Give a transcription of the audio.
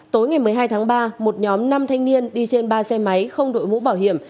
tối ngày một mươi hai tháng ba một nhóm năm thanh niên đi trên ba xe máy không đội mũ bảo hiểm